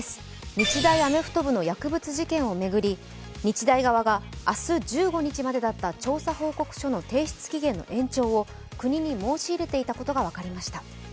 日大アメフト部の薬物事件をめぐり、日大側が明日１５日までだった調査報告書の提出期限の延長を国に申し入れていたことが分かりました。